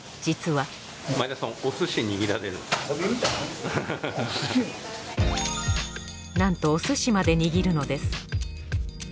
実はなんとお寿司まで握るのです。